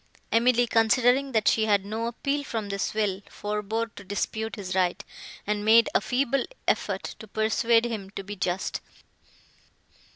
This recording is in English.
Emily, considering that she had no appeal from this will, forbore to dispute his right, and made a feeble effort to persuade him to be just.